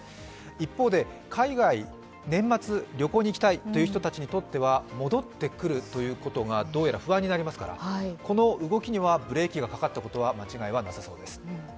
一方で海外、年末旅行に行きたいという人にとって戻ってくることがどうやら不安になりますから、この動きにはブレーキがかかったことには間違いなさそうです。